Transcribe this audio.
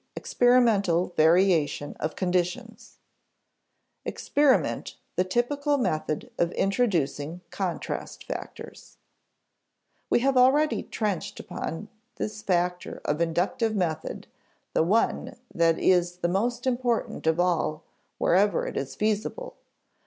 Experimental Variation of Conditions [Sidenote: Experiment the typical method of introducing contrast factors] We have already trenched upon this factor of inductive method, the one that is the most important of all wherever it is feasible.